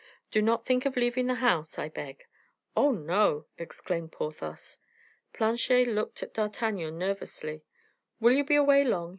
Do not think of leaving the house, I beg." "Oh, no!" exclaimed Porthos. Planchet looked at D'Artagnan nervously. "Will you be away long?"